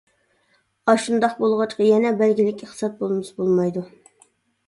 ئاشۇنداق بولغاچقا يەنە بەلگىلىك ئىقتىساد بولمىسا بولمايدۇ.